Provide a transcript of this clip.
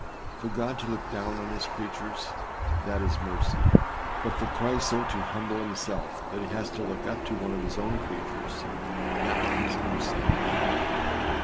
For God to look down on his creatures â that is mercy; but for Christ so to humble himself that he has to look up to one of his own creatures, that becomes mercy indeed.